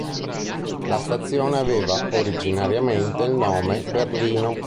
La stazione aveva originariamente il nome "Berlino".